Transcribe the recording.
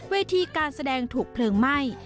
เวทีการแสดงถูกเพลิงไหม้